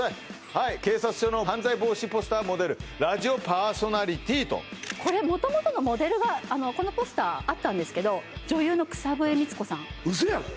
はい警察署の犯罪防止ポスターモデルラジオパーソナリティーとこれ元々のモデルがこのポスターあったんですけどウソやん！？